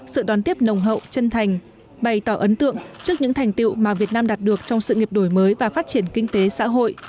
sự đón tiếp nồng hậu chân thành bày tỏ ấn tượng trước những thành tiệu mà việt nam đạt được trong sự nghiệp đổi mới và phát triển kinh tế xã hội